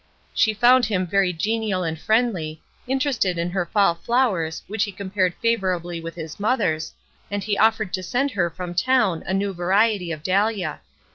She found him very genial and friendly, interested in her fall flowers which he compared favorably with his mother's, and he offered to send her from town a new variety of dahlia.